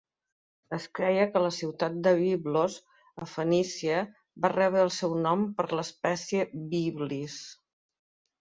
Es creia que la ciutat de Biblos a Fenícia va rebre el seu nom per l'espècie Byblis.